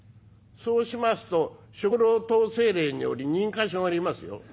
「そうしますと食糧統制令により認可証が要りますよ」。